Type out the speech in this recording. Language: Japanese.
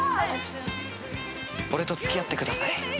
「俺と付き合ってください」